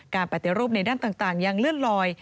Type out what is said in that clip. ปฏิรูปในด้านต่างยังเลื่อนลอย